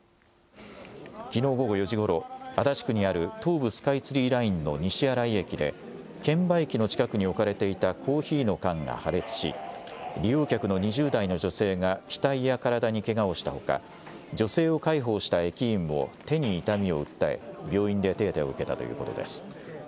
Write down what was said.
きのう午後４時ごろ、足立区にある東武スカイツリーラインの西新井駅で、券売機の近くに置かれていたコーヒーの缶が破裂し、利用客の２０代の女性が額や体にけがをしたほか、女性を介抱した駅員も手に痛みを訴え、病院で手当てを受けたということです。